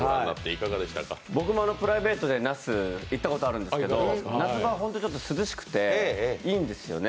僕もプライベートで那須、行ったことがあるんですけど、夏場、本当に涼しくていいんですよね。